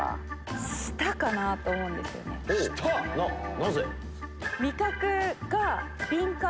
なぜ？